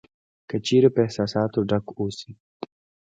که چېرې په احساساتو ډک اوسې .